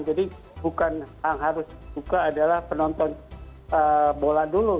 jadi bukan yang harus dibuka adalah penonton bola dulu